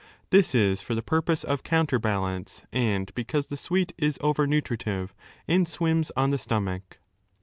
This is for the purpose of counterbalance, and because the sweet is over nutridve and swims on the stomach.